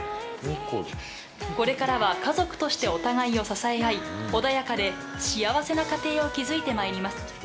これからは家族としてお互いを支え合い、穏やかで幸せな家庭を築いてまいります。